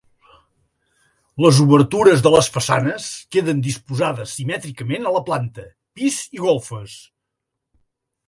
Les obertures de les façanes queden disposades simètricament a la planta, pis i golfes.